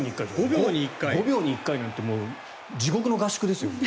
５秒に１回なんて地獄の合宿ですよ。